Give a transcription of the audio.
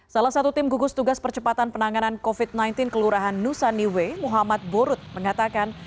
salah satu tim gugus tugas percepatan penanganan covid sembilan belas kelurahan nusaniwe muhammad borut mengatakan